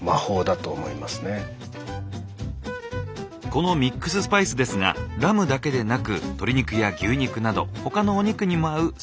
このミックススパイスですがラムだけでなく鶏肉や牛肉など他のお肉にも合う優れものなんです。